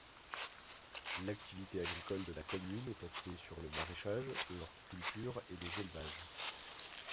L'activité agricole de la commune est axée sur le maraîchage, l'horticulture et les élevages.